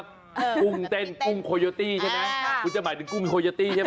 กุ้งเต้นกุ้งโคโยตี้ใช่ไหมคุณจะหมายถึงกุ้งโคโยตี้ใช่ไหม